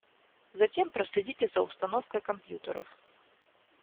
Затем проследите за установкой компьютеров.